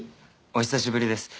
お久しぶりです。